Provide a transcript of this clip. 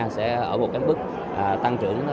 sẽ ở một bước tăng trưởng